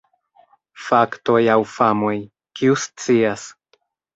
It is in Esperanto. Faktoj aŭ famoj: kiu scias?